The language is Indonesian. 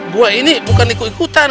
buah ini bukan ikut ikutan